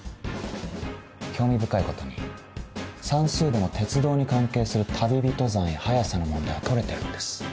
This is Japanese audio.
興味深いことに算数でも鉄道に関係する旅人算や速さの問題は取れてるんです。